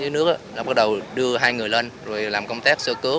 lặng xuống dưới nước á bắt đầu đưa hai người lên rồi làm công tác sơ cứu